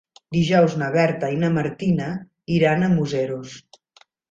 Dijous na Berta i na Martina iran a Museros.